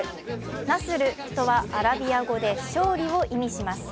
ナスルとはアラビア語で勝利を意味します。